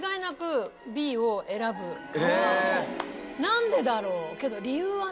何でだろう？けど。